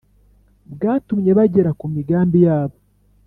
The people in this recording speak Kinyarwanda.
Bwatumye bagera ku migambi yabo,